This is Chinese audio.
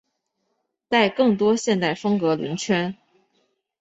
带更多现代风格轮圈。